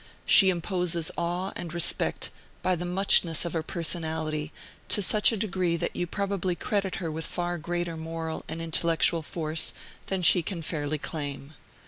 She imposes awe and respect by the muchness of her personality, to such a degree that you probably credit her with far greater moral and intellectual force than she can fairly claim.